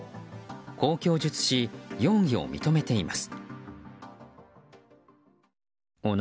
こう供述し容疑を認めています。